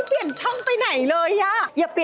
มีอะไร